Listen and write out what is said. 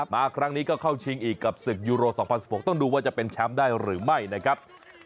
มาครั้งนี้ก็เข้าชิงอีกกับศึกยูโร๒๐๑๖ต้องดูว่าจะเป็นแชมป์ได้หรือไม่นะครับ